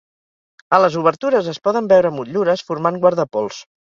A les obertures es poden veure motllures formant guardapols.